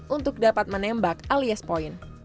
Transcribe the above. untuk dapat menembak alias poin